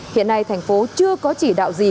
hiện nay thành phố chưa có chỉ đạo gì